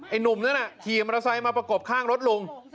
หนุ่มนั้นขี่มอเตอร์ไซค์มาประกบข้างรถลุง